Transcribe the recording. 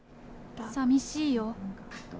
さみしいよ。